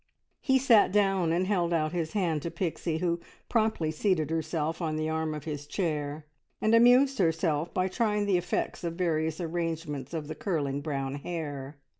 He sat down and held out his hand to Pixie, who promptly seated herself on the arm of his chair, and amused herself by trying the effects of various arrangements of the curling brown hair.